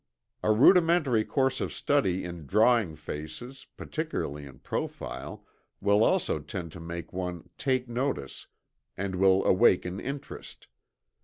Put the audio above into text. A rudimentary course of study in drawing faces, particularly in profile, will also tend to make one "take notice" and will awaken interest.